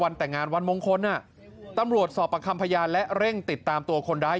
แต่งงานวันมงคลตำรวจสอบประคำพยานและเร่งติดตามตัวคนร้าย